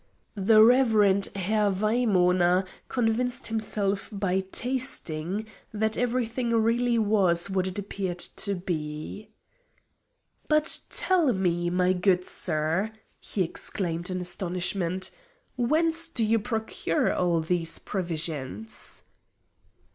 The Reverend Herr Waimœner convinced himself by tasting that everything was really what it appeared to be. "But tell me, my good sir," he exclaimed in astonishment, "whence do you procure all these provisions?"